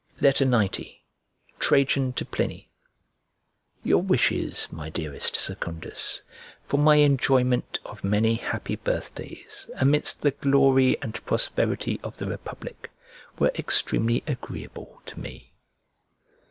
XC TRAJAN TO PLINY YOUR wishes, my dearest Secundus, for my enjoyment of many happy birthdays amidst the glory and prosperity of the republic were extremely agreeable to me.